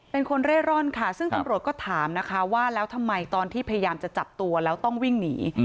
เป็นคนเร่ร่อนค่ะซึ่งตำรวจก็ถามนะคะว่าแล้วทำไมตอนที่พยายามจะจับตัวแล้วต้องวิ่งหนี